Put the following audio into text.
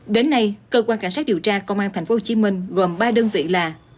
đến nay cơ quan cảnh sát điều tra công an tp hcm gồm ba đơn vị là